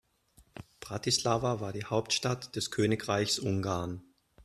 Bratislava war die Hauptstadt des Königreichs Ungarn.